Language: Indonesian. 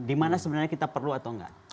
dimana sebenarnya kita perlu atau tidak